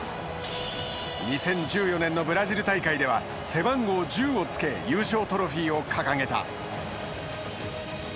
２０１４年のブラジル大会では背番号１０を付け優勝トロフィーを掲げた。